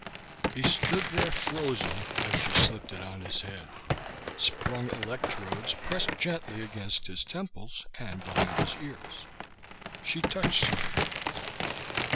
He stood there frozen as she slipped it on his head. Sprung electrodes pressed gently against his temples and behind his ears. She touched something....